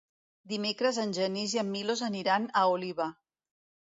Dimecres en Genís i en Milos aniran a Oliva.